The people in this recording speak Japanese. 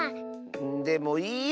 でもいいよ